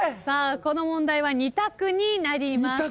この問題は２択になります。